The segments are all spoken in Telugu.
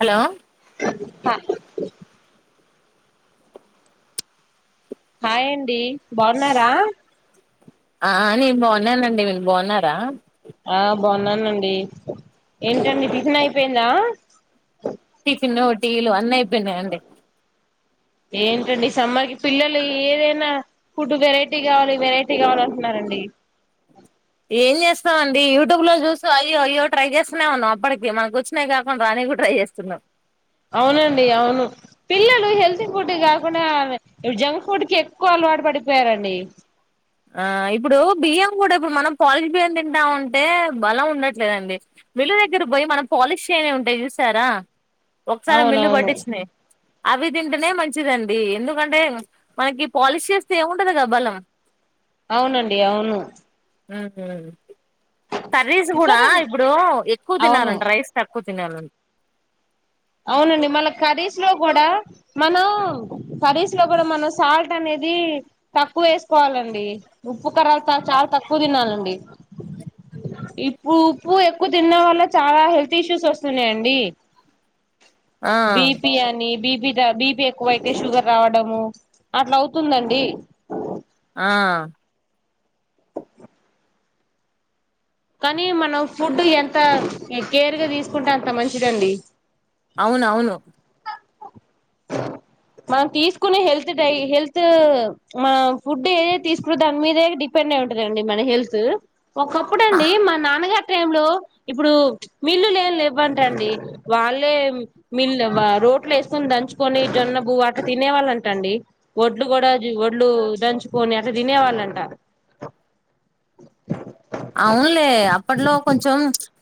హలో ప హాయండి డి బావున్నారా ఆ నేను బావున్నానండి మీరు బావున్నారా ఆ బావున్నానండి ఏంటండి టిఫిన్ అయిపోయిందా టిఫిను టీలు అన్ని ఇయిపోయినయండి ఏంటండి సమ్మర్ కి పిల్లలు ఏదైనా ఫుడ్ వెరైటీ కావాలి వెరైటీ కావాల అంటున్నారండి. ఏం చేస్తామ అండి యూట్యూబ్ లో చూస్తూ అయ్యో అయ్యో ట్రై చేస్తూనే ఉన్నాం అప్పటికి మనకు వచ్చినా కాకుండా రానీయి కూడా ట్రై చేస్తున్నాం అవునండి అవును పిల్లలు హెల్తీ ఫుడ్ కాకుండా జంక్ ఫుడ్ కి ఎక్కువ అలవాటు పడిపోయారండి. ఆ ఇప్పుడు బియ్యం కూడా ఇప్పుడు మనం పాలిష్ బియ్యం తింటా ఉంటే బలం ఉండట్లేదండి. మిల్లు దగ్గర పోయి మనం పాలిష్ చేయనివి ఉంటాయి చూసారా ఒకసారి మిల్లు అవునవును పట్టించినియి అవి తింటేనే మంచిదండి ఎందుకంటే మనకి పాలిష్ చేస్తే ఏముంటది గ బలం అవునండి అవును ఊహూ కర్రీస్ కూడా ఇంకోటి ఇప్పుడు ఎక్కువ అవును తినాలంట రైస్ తక్కువ తినాలం అవునండి మళ్ళ కర్రీస్ లో కూడా మనం కర్రీస్ లో కూడా మనం సాల్ట్ అనేది తక్కువ వేసుకోవాలండి ఉప్పు కారాలు చాలా తక్కువ తినాలండి ఇప్పుడు ఉప్పు ఎక్కువ తిన్న వల్ల చాలా హెల్త్ ఇష్యూస్ వస్తున్నాయండి. ఆ బిపి అని బి బిపి ఎక్కువ అయితే షుగర్ రావడము అట్లా అవుతుందండి ఆ కానీ మనం ఫుడ్ ఎంత కేర్ గా తీసుకుంటే అంత మంచిదండి అవున అవును మంనం తీసుకునే హెల్త్ హెల్త్ మన ఫుడ్ ఏ ఏ తీసుకు మీదే డిపెండ్ అయి ఉంటదండి మన హెల్త్ ఒక అప్పుడంండి మా నాన్నగారి టై లో. ఇప్పుడు మిల్లు లే లేవ్వంటండి వాళ్ళే మిల్లు రోడ్లు వేసుకొని దంచుకొని జొన్న బువ అట తినే వాళ్ళంట. టండి ఒడ్లు కూడా వడ్లు దంచుకోనే అట్ల తినేవాళ్ళంట అవునులే అప్పట్లో కొంచం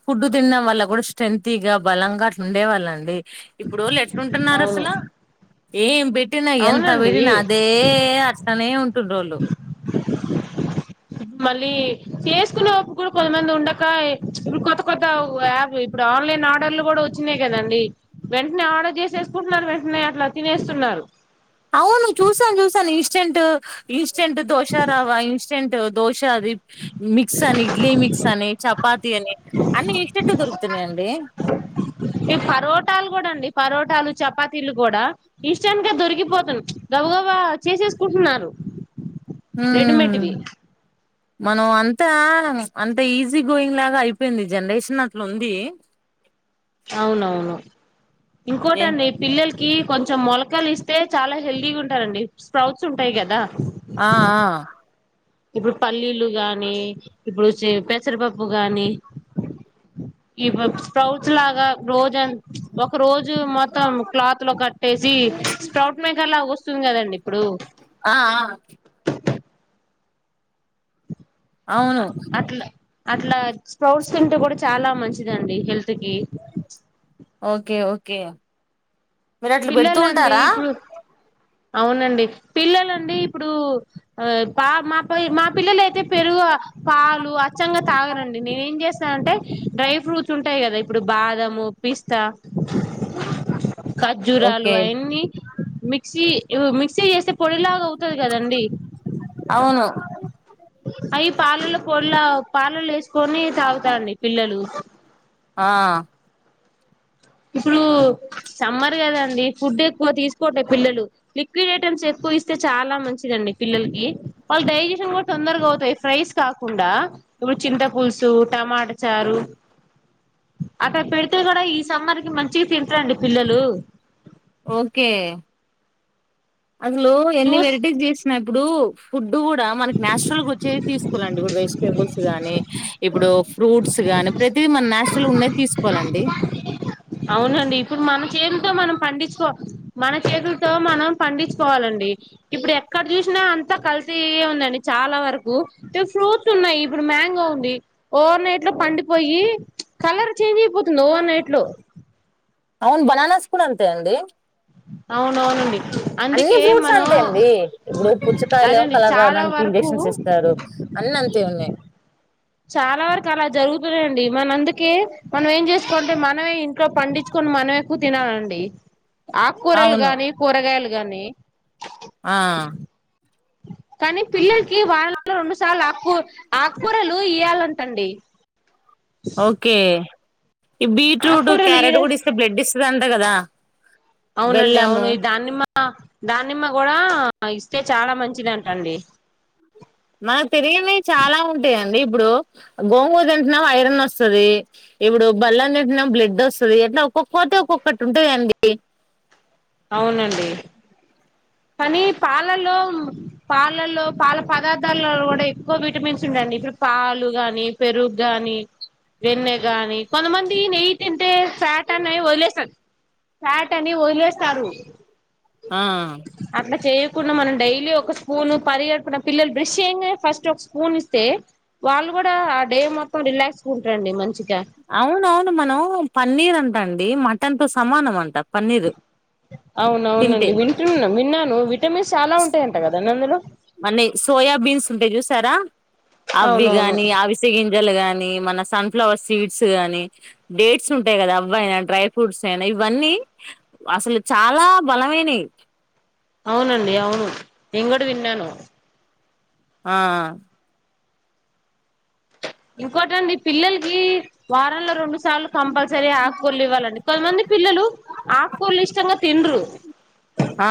ఫుడ్డు తినడం వల్ల కూడా స్ట్రెంతీ గా బలంగా అట్లా ఉండే వాళ్ళండి. ఇప్పుడు లేట్లుంటున్నారు అవును అసల ఏం బేట్ టి నా ఎంత బడి అవునండి నా అదే అటనేే ఉం [unintelligible] మళ్ళీ చేసుకునేప్పు కూడా కొంతమంది ఉండక, ఇప్పుడు కొత్త కొత్త యాప్ ఇప్పుడు ఆన్లైన్ ఆర్డర్లు కూడా వచ్చినయి కదండి. వెంటనే ఆర్డర్ చేసిేసుకుంటున్నారు వెంటనే అట్లా తినేస్తున్నారు. అవును చూసాను చూసాను ఇ ెంట్ ఇస్ స్టెంట్ దోష రావా ఇస్ ట్ దో మిక్స్ అని ఇడ్లీ మిక్స్ అని చపాతి అని అన్ని ఇటెట్ల దొరుకుతున్నా అండి ాలు చపాతీలు కూడా ఇష్టానిక దొరికిపోతా గబగబ చేసేసుకుంటున్నారు రెడి మేట్ ఉమ్ వి మనం అంతా అంత ఈజీ గోయింగ్ లాగా అయిపోయింది జనరేషన్ అట్లా ఉంది. అవునవును ఏం ఇంకోటండి పిల్లలకి కొంచెం మొలకలు ఇస్తే చాలా హెల్ది గుంట రండి స్ప్రౌట్స్ ఉంటాయి కదా. ఆ ఇప్పుడు పల్లీలు గాని ఇప్పుడు పెసరపప్పు గాని ఇ ప్రౌస్ లాగా రోజ ఒక రోజు మొత్తం క్లాత్ లో క ేసి స్క్రౌట్ మేకర్ లా వస్తుంది కదండి ఇప్పుడు ఆ ఆ అవును ట్లా స్పర్ట్స్ తింటే కూడా చాలా మంచిదిండి హెల్త్ కి ఓకే ఓకే మీరు అట్లు పెడుతూ పిల్లలండి ఉంటారా ఇప్పుడు అవునండి పిల్లలండి ఇప్పుడు పా మా ప మా పిల్లలు అయితే పెరుగు పాలు అచ్చంగా తాగరండి నేను ఏం చేస్తానంటే డ్రై ఫ్రూట్స్ ఉంటాయి కదా ఇప్పుడు బాదము పిస్ త్త జురాలు ఓకే అఎన్నీ మిక్సీ మిక్సీ చేస్తే పొడిలాగ అవును అవి పాలలు పొల్లా పాలల్లా వేసుకొని తాగుతాండి పిల్లలు ఆ ఇప్పుడు సమ్మర్ కదా అండి ఫుడ్ ఎక్కువ తీసుకోట్లే పిల్లలు లిక్విడ్ ఐటమ్స్ ఎక్కువ ఇస్తే చాలా మంచిదండి పిల్లలకి వాళ్ళ డైజెషన్ కూడా తొందరగా అవుతాయ్ ఫ్రై స్ కాకుండా ఇప్పుడు చింత పులుసు టమాటా చారు అట్టా పెడితే కూడా సమ్మర్ కి మంచిగా తింటారండి పిల్లలు ఓకే అందులో ఎన్ని జ్యూస్ వెరైటీస్ చేసి నెప్పుడు ఫుడ్ ఇప్పుడు కూడా మనకి నేచురల్గా వచ్చేది తీసుకోవ ఇ వే బుల్స్ గానీ ఇప్పుడు ఫ్రూట్స్ గానీ ప్రతి మన నేచురల్ ఉన్నాయి తీసుకోవాలండి అవునండి ఇప్పుడు మన చేతులతో మనం పండించుకో మన చేతులతో మనం పండించుకోవాలండి ఇప్పుడు ఎక్కడ చూసినా అంతా కల్తీయె ఉందండి చాలా వరకు ఫ్రూట్స్ ఉన్నాయి ఇప్పుడు మ్యాంగో ఉంది ఓవర్ నైట్ లో పండిపోయి కలర్ చేంజ్ అయిపోతుంది ఓవర్ నైట్ లో అవును బననాస్ కూడా అంతే అండి అవునవునండి అన్ని అందుకే ఫ్రూట్స్ మనం అంతే అండి ఇప్పుడు పుచ్చకాయలు ఏమో అదండి కలర్ చాలా రావడానికి వరకు ఇంజక్షన్స్ ఇస్తారు అన్ని అ తే ఉన్నాయ్ చాలా వరకు అలా జరుగు [unintelligible] మన అందుకే మనం ఏం చేస్త కొంటే మనమే ఇంట్లో పండిచ్చుకొని మనం ఎక్కువ తినాలండి ఆకుకూరలు అవును గానీ కూరగాయలు గాని ఆ కానీ పిల్లలకి వానలో రెండుసార్లు ఆకూ ఆకూరలు ఇయాలంటండి ఓకే ఈ బీట్రూట్ ఆకూరలు గీడ క్యారెట్ కూడా ఇస్తే బ్లడ్ ఇస్తది అంట కదా అవునండి బెల్లము అవును ఈ దానిమ్మ దానిమ్మ కూడా ఇస్తే చాలా మంచిదంటండి మనకు తెరియనవి చాలా ఉంటాయండి ఇప్పుడు గోంగూ తింటున్నాం ఐరన్ వస్తది ఇప్పుడు బల్లం తింటున్నా బ్లడ్ వస్తుంది ఎట్లా ఒక్కొక్కటి ఒక్కొక్కటి ఉంటయండి అవునండి కానీ పాలల్లో పాలల్లో పాల పదార్థాల్లో కూడా ఎక్కువ విటమిన్స్ ఉంటయండి, ఇప్పుడు పాలు గాని, పెరుగు కాగాని, వెన్నె గాని కొంతమంది నెయ్యి తింటే ఫ్యాట్ అని వదిలేస్తారు ఫ్యాట్ అని వదిలేస్తారు. ఆ అట్లా చెయక్ కున మనం డైలీ ఒక స్పూన్ పరిగడుపున పిల్లలు బ్రష్ చేయంగానె, ఫస్ట్ ఒక స్పూన్ ఇస్తే వాళ్ళు కూడా ఆ డే మొత్తం రిలాక్స్ గా ఉంటారండి మంచి, అవును అవును మనం పన్నీర్ అంటా అండి మన్ దాంతో సమానమంట అవును అవునండి వింటున్నా విన్నాను విటమిన్స్ చాలా ఉంటాయంట కదాండి అందులో, మన్నె సోయా బీన్స్ ఉంటయి చూసారా అవి అవునవును గాని అవిసెగింజలు గాని మన సంత్ ఫ్లవర్ సీడ్స్ కానీ డేట్స్ ఉంటాయి కదా, అవ్వయినా డ్రై ఫ్రూట్స్ అయినా ఇవన్నీ అసలు చాలా బలమైనయి. అవునండి అవును నేను కూడా విన్నాను ఆ ఇంకోటండి పిల్లలకి వారంలో రెండు సార్లు కంపల్సరీ ఆకుకూరలు ఇవ్వాలండి కొంతమంది పిల్లలు. ఆకుకూరలి ఇష్టంగా తిన్రు ఆ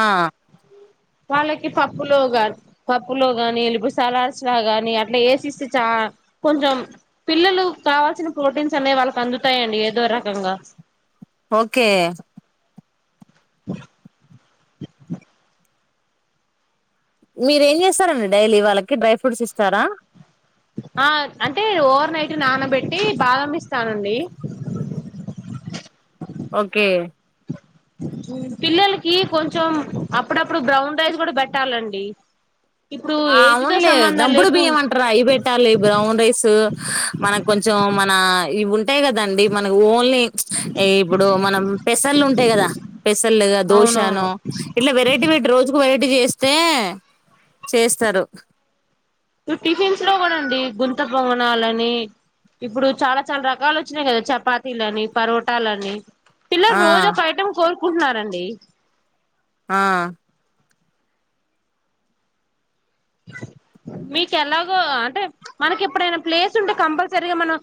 వాళ్ళకి పప్పులో గాని పప్పులో గానీ పుడు సలాడ్స్ లా గాని అట్లా వేసిస్తే చ కొంచెం పిల్లలు కావాల్సిన ప్రోటీన్స్ అనేవి వాళ్ళకి అందుతాయండి ఏదో రకంగా, ఓకే అ మీర ఏం చేస్తారండి డైలీ వాళ్ళకి డ్రై ఫ్రూట్స్ ఇస్తారా ఆ అంటే ఓవర్ నైట్ నానబెట్టి బాదమిస్తానండి ఓకే మ్మ్ పిల్లలకి కొంచెం అప్పుడప్పుడు బ్రౌన్ రైస్ కూడా పెట్టాలండి. ఇప్పుడు ఆ ఏజ్ తో అవునులే సంబంధం దంపుడు లేకుం బియ్యం అంటరు, అవి పెట్టాలి బ్రౌన్ రైస్ మనకు కొంచెం మన, ఈ వున్ టయి కదండి మన ఓన్లీ ప్చ్ ఎ ఇప్పుడు మనం పెసర్లు ఉంటయి కదా, పెసర్లుగ అవునవును దోశను ఇట్లా వెరైటీ పెట్టి రోజుకు వెరైటీ చేస్, స్తే చేస్తారు టిఫిన్స్ లో కూడా అండి గుంత పొంగనాలని ఇప్పుడు చాలా చాలా రకాలు వచ్చినాయి కదా చపాతీలని, పరోటాలని, ఆ పిల్లల్ రోజు ఒక ఐటం కోర్ కుంట్నారండి ఆ మీకు ఎలాగో అంటే మనకి ఎప్పుడైనా ప్లేస్ ఉంటే కంపల్సరిగా మనం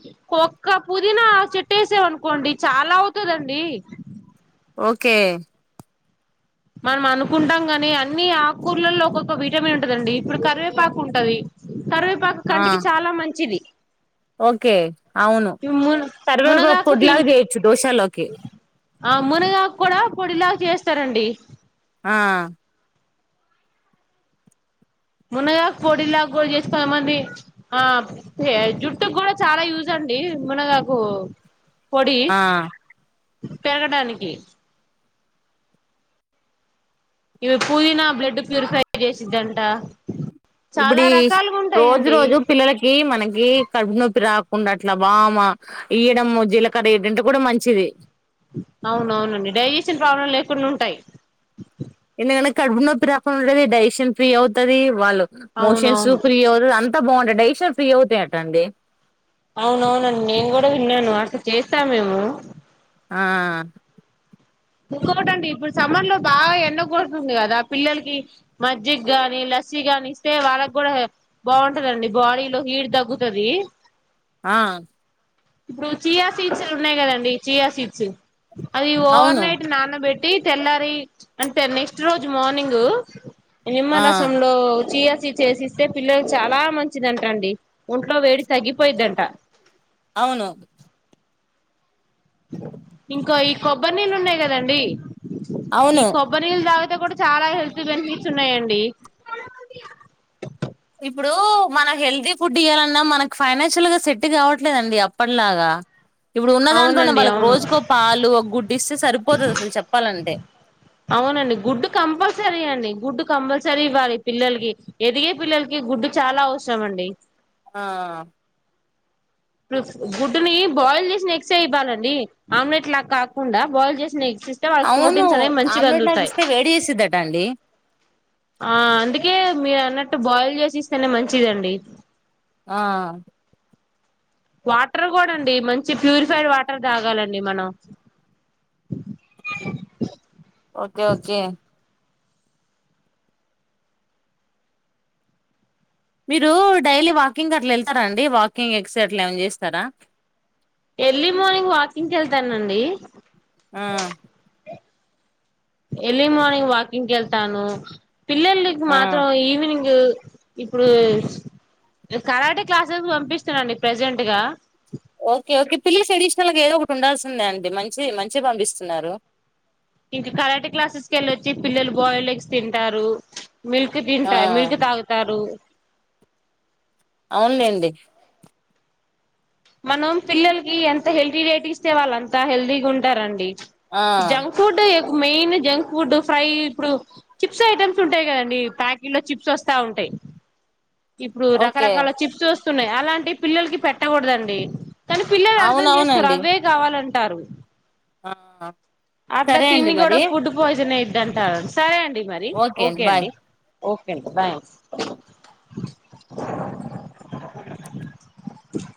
ఒక్క పుదీనా చెట్టేసాం అనుకోండి చాలా అవుతదండి. ఓకే మనం అనుకుంటాం గాని అన్ని ఆకూర్లలో ఒక్కొక్క విటమిన్ ఉంటదండి ఇప్పుడు కరివేపాకు ఉంటది. కరివేపాకు ఆ కంటికి చాలా మంచిది ఓకే అవును ము మునగాకు తి కర్వేపాకుపొడ్లాగా చేయొచ్చు దోశలోకి ఆ మునగాకు కూడా పొడిలాగా చేస్తారండి ఆ మునగాకు పొడిలా కూడా చేస్తామండి ఆ జుట్టుకు కూడా చాలా యూజు అండి మునగాకు, పొడి ఆ పెరగడానికి ఇవి పువిన బ్లడ్ ప్యూరిఫై చేసద్దంటా ఇప్పుడి రోజు రోజు పిల్లలకి మనకి కడుపు నొప్పి రాకుండా అట్లా వాము ఇయ్యడము. జీలకర్ర ఇయంటే కూడా మంచిది. అవునవునండి డైజేషన్ ప్రాబ్లం లేకుండా ఉంటాయి. ఎందుకు అంటే కడుపు నొప్పి రాకుండా ఉండటమే డైజేషన్ ఫ్రీ అవుతది వాళ్ళు మోషన్స్ అవునవును ఫ్రీ ఉండదు అంత బాగుంటాయట డైజెషన్ ఫ్రీ అవుతాయిట అండి. అవునవునండి నేను కూడా విన్నాను అసలు చేస్తామేము ఆ ఇంకోటండి ఇప్పుడు సమ్మర్ లో బాగా ఎండ కొడుతుంది కదా, పిల్లలకి మజ్జిగ గాని, లస్సి గాని, ఇస్తే వాళ్ళకి కూడా బాగుంటదండి. బాడీలో హీట్ తగ్గుతది. ఆ ఇప్పుడు చీయా సీడ్స్ ఉన్నాయి కదండి. Chia seeds. అది ఓవర్ అవును నైట్ నాన పెట్టి తెల్లారి అంటే నెక్స్ట్ రోజు మార్నింగు ఆ నిమ్మరసంలో చీ చేసిస్తే పిల్లలు చాలా మంచిదంట అండి. ఒంట్లో వేడి తగ్గిపోయిద్దంట. అవును ఇంకా ఈ కొబ్బరి నీళ్లు ఉన్నాయి కదండి. ఈ అవును కొబ్బరి నీల్ తాగితే కూడా చాలా హెల్త్ బెనిపి స్ ఉన్నాయండి ఇప్పుడు మన హెల్దీ ఫుడ్ ఇవ్వాలన్నా, మనకి ఫైనాన్షియల్ గా సెట్ కావట్లేదండి అప్పటిలాగా. ఇప్పుడు ఉన్న దాంట్లోనే అవునండి వాళ్ళకి అవును రోజుకో పాలు, ఒక గుడ్డు, ఇస్తే సరిపోతుంది అసలు చెప్పాలంటే. అవునండి గుడ్డు కంపల్సరీ అండి. గుడ్డు కంపల్సరీ ఇవ్వాలి. పిల్లలకి ఎదిగే పిల్లలకి గుడ్డు చాలా అవసరం అండి. ఆ గుడ్డుని బాయిల్ చేసి నెక్సటే ఇవ్వాలండి. ఆమ్లెట్ లాగా కాకుండా బాయిల్ చేసి నెక్స్ అవును ఆమ్లెట్ నగి ఇస్తే వేడి చేసిద్దట అండి ఆ అందుకే మీరు అన్నట్టు బాయిల్ చేసిస్తేనే మంచిదండి. ఆ వాటర్ కూడా అండి, మంచి ప్యూరిఫైడ్ వాటర్ తాగాలండి మనం. ఓకే ఓకే మీరు డైలీ వాకింగ్ అట్లా వెళ్తారా అండి. వాకింగ్ ఎక్స్ అట్లా ఏమం చేస్తారా, ఎర్లీ మార్నింగ్ వాకింగ్ కి వెళ్తానండి. ఆ ఎర్లీ మార్నింగ్ వాకింగ్ కి వెళ్తాను పిల్లలకి ఆ మాత్రం ఈవినింగ్ ఇప్పుడు కరాటే క్లాసెస్ పంపిస్తున్నాండి. ప్రెజెంట్ గా ఓకే ఓకే పిల్లల స్టడీస్ అసలికి ఏదో ఒకటి ఉండాల్సిందే. అండి మంచి మంచిగా పంపిస్తున్నారు. ఇంక కరాటి క్లాసెస్కి వెళ్ళచ్చి పిల్లలు బాయిల్డ్ ఎగ్స్ తిం తింటారు. మిల్క్ ఆ తింటా మిల్క్ తాగుతారు. అవునులేండి. మనం పిల్లలకి ఎంత హెల్తీ డైట్ ఇస్తే వాళ్ళు అంత హెల్తీగా ఉంటారండి. ఆ జంక్ ఫుడ్డే ఎప్ మెయిన్ జంక్ ఫుడ్ ఫ్రై ఇప్పుడు చిప్స్ ఐటమ్స్ ఉంటాయి కదండి ప్యాకెట్ లో చిప్స్ వస్తా ఉంటాయి ఇప్పుడు ఓకే రకరకాల చిప్స్ వస్తున్నాయి అలాంటి పిల్లలకి పెట్టకూడదండి. ండి కానీ పిల్లలు అర్థం చేస్కోరు అవునవునండి అవే కావాలంట తింటారు. ఆ అట్లా సరే అండి తిని కూడా మరి ఫుడ్ పాయిజన్ అయిద్ది. వద్దంటారు సరే అన్ అండి మరి ఓకే అండి. ఓకే అండి బాయ్ ఆ ఆ